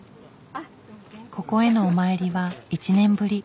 ここへのお参りは１年ぶり。